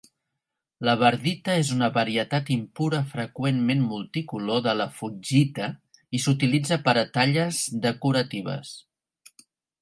La verdita és una varietat impura freqüentment multicolor de la fuchsita i s'utilitza per a talles decoratives.